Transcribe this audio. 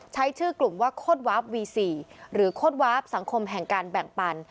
ใช้ชื่อกลุ่มว่าโคตรวาฟวี๔หรือโคตรวาฟสังคมแห่งการแบ่งปัน